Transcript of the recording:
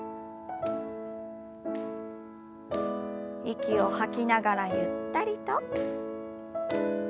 息を吐きながらゆったりと。